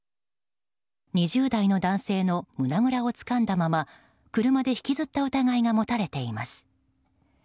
２０代の男性の胸ぐらをつかんだまま車で引きずった疑いが持たれています。